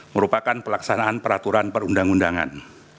merupakan pelaksanaan peraturan perundang undangan